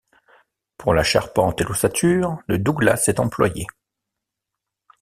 Pour la charpente et l'ossature, le douglas est employé.